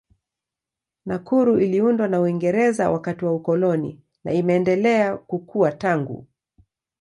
Nakuru iliundwa na Uingereza wakati wa ukoloni na imeendelea kukua tangu.